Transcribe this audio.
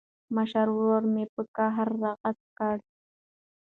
مشر ورور مې په قهر راغږ کړ.